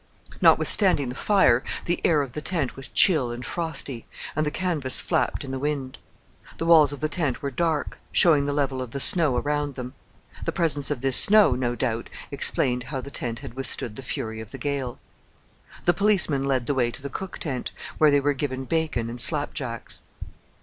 Notwithstanding the fire, the air of the tent was chill and frosty, and the canvas flapped in the wind. The walls of the tent were dark, showing the level of the snow around them. The presence of this snow, no doubt, explained how the tent had withstood the fury of the gale. The policeman led the way to the cook tent, where they were given bacon and slap jacks.